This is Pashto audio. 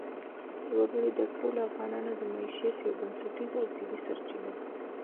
وګړي د ټولو افغانانو د معیشت یوه بنسټیزه او طبیعي سرچینه ده.